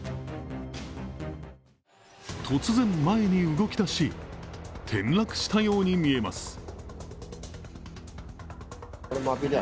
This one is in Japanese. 突然、前に動き出し、転落したように見えます。